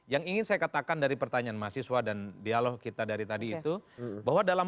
yang ingin saya katakan dari pertanyaan mahasiswa dan dialog kita dari tadi itu bahwa dalam